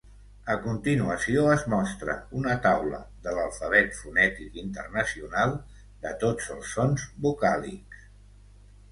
A continuació es mostra una taula de l'Alfabet fonètic internacional de tots els sons vocàlics.